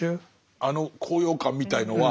あの高揚感みたいのは。